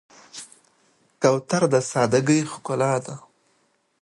کوتره د سادګۍ ښکلا ده.